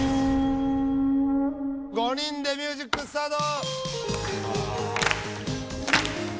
５人でミュージックスタート！